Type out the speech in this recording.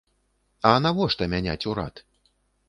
А навошта мяняць урад?